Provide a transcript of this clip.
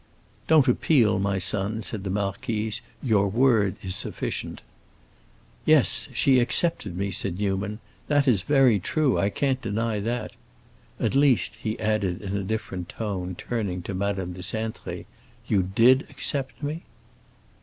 "Don't appeal, my son," said the marquise, "your word is sufficient." "Yes—she accepted me," said Newman. "That is very true, I can't deny that. At least," he added, in a different tone, turning to Madame de Cintré, "you did accept me?"